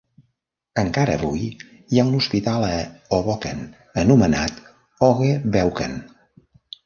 Encara avui hi ha un hospital a Hoboken anomenat "Hoge Beuken".